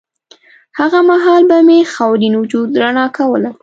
هغه مهال به مې خاورین وجود رڼا کوله